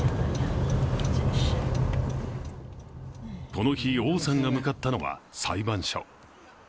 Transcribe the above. この日、王さんが向かったのは裁判所。